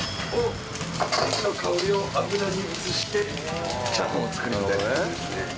ネギの香りを油に移してチャーハンを作るみたいな事ですね。